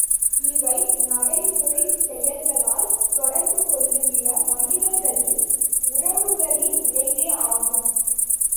இவை நடைமுறைச் செயல்களால் தொடர்புகொள்ளுகிற மனிதர்களின் உறவுகளின் விளைவேயாகும்.